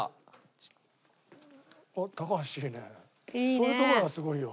そういうところがすごいよ。